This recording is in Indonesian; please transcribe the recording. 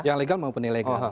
yang legal maupun ilegal